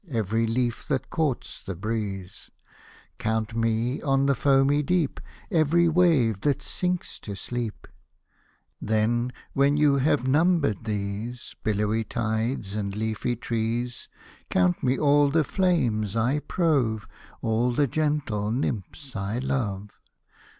Every leaf that courts the breeze ; Count me, on the foamy deep, Every wave that sinks to sleep ; Then, when you have numbered these Billowy tides and leafy trees. Count me all the flames I prove. All the gentle nymphs I love.